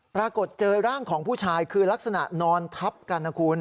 ปรากฏเจอร่างของผู้ชายคือลักษณะนอนทับกันนะคุณ